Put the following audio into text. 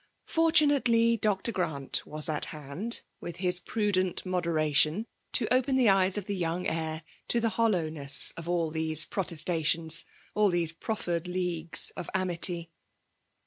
Fortonately, Dr. Grant was at hand, with his prudent moderation, to open the eyes of the young heir to the hoUowness of all these protester tions — aU these proffered leagues of amity.